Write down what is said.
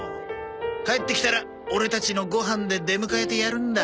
帰ってきたらオレたちのご飯で出迎えてやるんだ。